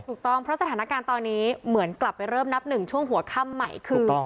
ถูกต้องเพราะสถานการณ์ตอนนี้เหมือนกลับไปเริ่มนับหนึ่งช่วงหัวค่ำใหม่คือ